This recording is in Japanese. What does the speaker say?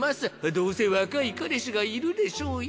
どうせ若い彼氏がいるでしょうよ